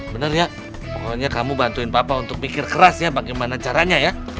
bener ya pokoknya kamu bantuin bapak untuk mikir keras ya bagaimana caranya ya